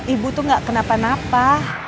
ibu tuh gak kenapa napa